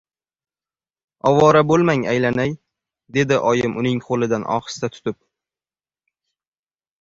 — Ovora bo‘lmang, aylanay, — dedi oyim uning qo‘lidan ohista tutib.